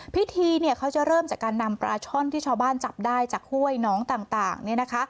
พิธีเขาจะเริ่มจากการนำปลาช่อนที่ชาวบ้านจับได้จากห้วยน้องต่าง